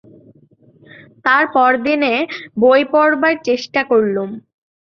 তার পরদিনে বই পড়বার চেষ্টা করলুম।